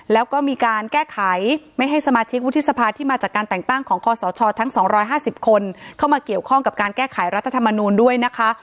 แล้วก็มีการแก้ไขไม่ให้สมาชิกวุฒิสภาที่มาจากการแต่งตั้งของคอสชทั้ง๒๕๐คนเข้ามาเกี่ยวข้องกับการแก้ไขรัฐธรรมนูลด้วยนะคะ